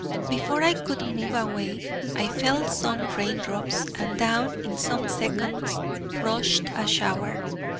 Before I could move away, I felt some rain drops, and down in some seconds rushed a shower.